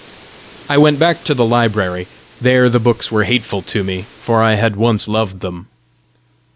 I went back to the library. There the books were hateful to me for I had once loved them.